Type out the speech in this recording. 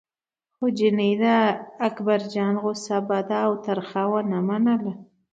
خو چیني د اکبرجان غوسه بده او تریخه ونه منله.